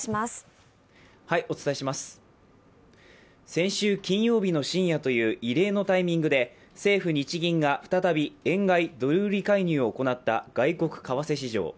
先週金曜日の深夜という異例のタイミングで政府日銀が再び円買い・ドル売り介入を行った外国為替市場。